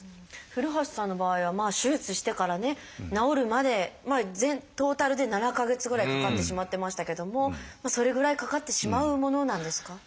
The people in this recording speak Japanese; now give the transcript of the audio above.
古橋さんの場合は手術してからね治るまでトータルで７か月ぐらいかかってしまってましたけどもそれぐらいかかってしまうものなんですか？